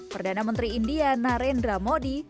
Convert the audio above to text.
perdana menteri india narendra modi